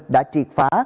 đã triệt phá